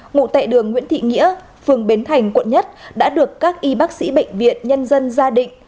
ngụ tại đường nguyễn thị nghĩa phường bến thành quận một đã được các y bác sĩ bệnh viện nhân dân gia định